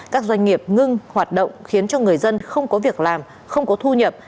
các doanh nghiệp ngưng hoạt động khiến cho người dân không có việc làm không có thu nhập